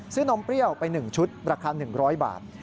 ซื้อนมเปรี้ยวไป๑ชุดประคัน๑๐๐บาท